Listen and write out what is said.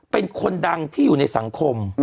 เป็นคนดังที่อยู่ในสังคม